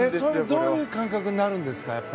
どういう感覚になるんですか？